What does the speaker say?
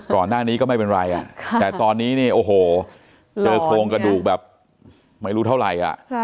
ก่อนหน้านี้ก็ไม่เป็นไรแต่ตอนนี้เนี่ยโอ้โหเจอโครงกระดูกแบบไม่รู้เท่าไหร่